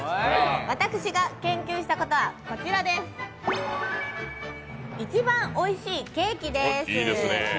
私が研究したことはこちら、一番おいしいケーキです。